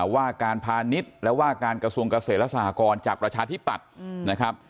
ว่าการพาณิชย์และว่าการกระทรวงเกษตรและสหกรจากประชาธิปัตย์นะครับ